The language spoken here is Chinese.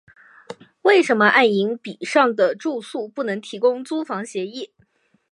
为什么爱迎彼上的住宿不能提供租房协议？